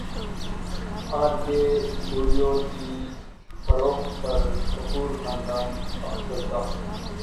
ار کے اسٹوڈیوز کی فروخت پر کپور خاندان افسردہ